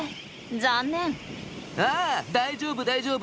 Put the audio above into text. ああ大丈夫大丈夫。